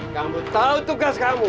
kamu tahu tugas kamu